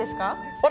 あれ？